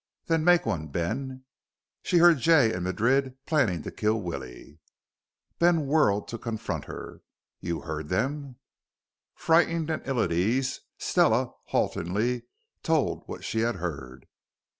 "Then make one, Ben. She heard Jay and Madrid planning to kill Willie." Ben whirled to confront her. "You heard them?" Frightened and ill at ease, Stella haltingly told what she had heard.